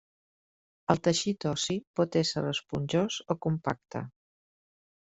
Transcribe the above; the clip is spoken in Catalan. El teixit ossi pot ésser esponjós o compacte.